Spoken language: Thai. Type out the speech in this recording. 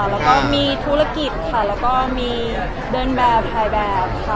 แล้วก็มีธุรกิจค่ะแล้วก็มีเดินแบบถ่ายแบบค่ะ